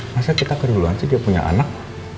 masa kita keduluan sih dia punya anak